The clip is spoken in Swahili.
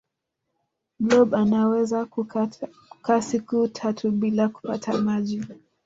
blob anawezo kukaa siku tatu bila kupata maji